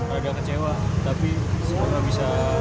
agak kecewa tapi semoga bisa lebih baik lagi